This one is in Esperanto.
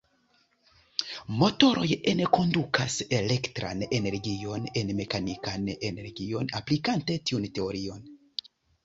Motoroj enkondukas elektran energion en mekanikan energion aplikante tiun teorion.